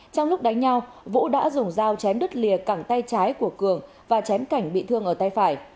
trong lúc đánh nhau vũ đã dùng dao chém đứt lìa cẳng tay trái của cường và chém cảnh bị thương ở tay phải